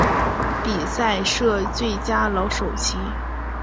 比赛设最佳老棋手。